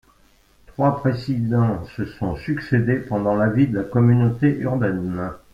Trois présidents se sont succédé pendant la vie de la communauté urbaine.